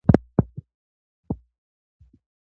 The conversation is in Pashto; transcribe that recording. د جمعه خان میرمنې وویل: زه هېڅکله د ده په کارو کار نه لرم.